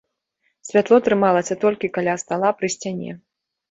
Святло трымалася толькі каля стала пры сцяне.